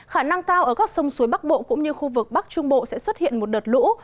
khả năng cao ở các sông suối bắc bộ cũng như khu vực bắc trung bộ sẽ xuất hiện một đợt lũ